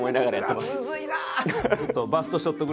むずいな！